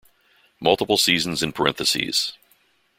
Multiple seasons in parentheses.